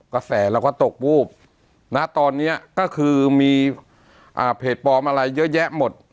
กระแสเราก็ตกวูบณตอนนี้ก็คือมีเพจปลอมอะไรเยอะแยะหมด